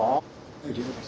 大丈夫です。